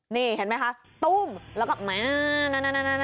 นี่เห็นไหมคะตุ้มแล้วก็มา